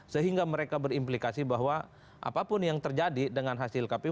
sehingga mereka berimplikasi bahwa apapun yang terjadi dengan hasil kpu